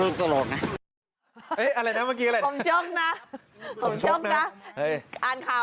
ผมโชคนะอ่านข่าวที่เบิร์ทระวังนะ